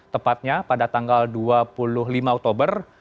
tepatnya pada tanggal dua puluh lima oktober